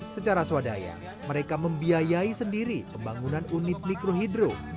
secara swadaya mereka membiayai sendiri pembangunan unit mikrohidro